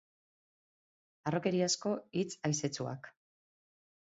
Harrokeriazko hitz haizetsuak.